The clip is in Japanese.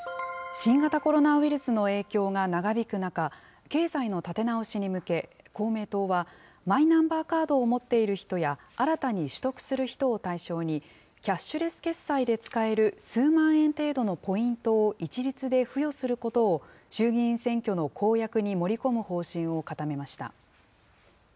新型コロナウイルスの影響が長引く中、経済の立て直しに向け、公明党はマイナンバーカードを持っている人や、新たに取得する人を対象に、キャッシュレス決済で使える数万円程度のポイントを一律で付与することを衆議院選挙の公約に盛り込む方針を固めました。